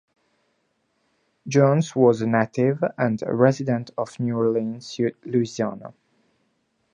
Jones was a native and resident of New Orleans, Louisiana.